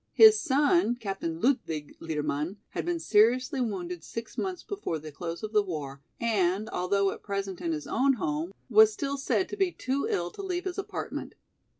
His son, Captain Ludwig Liedermann had been seriously wounded six months before the close of the war, and, although at present in his own home, was still said to be too ill to leave his apartment.